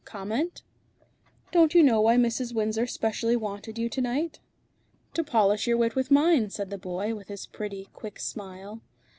"Comment?" "Don't you know why Mrs. Windsor specially wanted you to night?" "To polish your wit with mine," said the boy, with his pretty, quick smile.